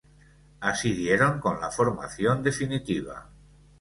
Así dieron con la formación definitiva.